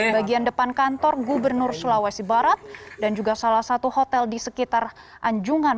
bagian depan kantor gubernur sulawesi barat dan juga salah satu hotel di sekitar anjungan